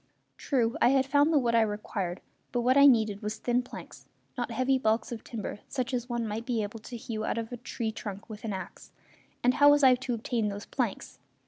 True, I had found the wood I required; but what I needed was thin planks, not heavy balks of timber such as one might be able to hew out of a tree trunk with an axe; and how was I to obtain those planks?